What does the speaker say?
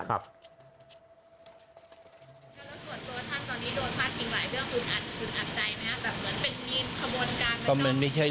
แล้วส่วนตัวท่านโดนพลาดแห่งหลายเรื่องคุณอาจใจไหมฮะ